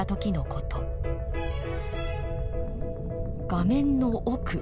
画面の奥。